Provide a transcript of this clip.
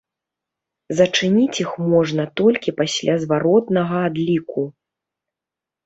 Зачыніць іх можна толькі пасля зваротнага адліку.